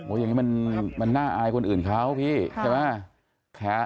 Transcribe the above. โอ๊ยยังงี้มันน่าอายคนอื่นเขา